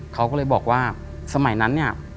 เขาก็เลยบอกว่าสมัยนั้นเนี่ย